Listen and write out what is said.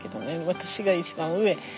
私が一番上。